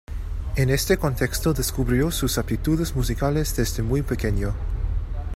En ese contexto descubrió sus aptitudes musicales desde muy pequeño.